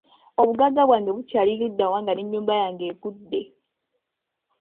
Obuggaga bwange bukyali luddawa nga ennyumba yange eggudde?